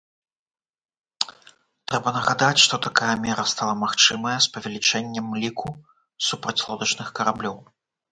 Трэба нагадаць, што такая мера стала магчымая з павелічэннем ліку супрацьлодачных караблёў.